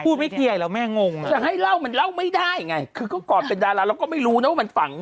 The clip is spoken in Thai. พี่เปิดไปอย่างนี้เดี๋ยวกันเป็นประเด็นข่าวขึ้นมา